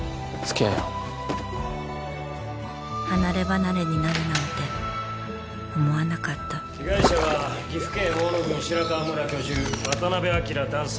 離ればなれになるなんて思わなかった被害者は岐阜県大野郡白川村居住渡辺昭男性